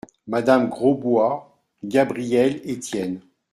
Madame Grosbois, Gabrielle, Etienne.